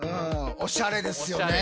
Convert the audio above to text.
おしゃれですよね。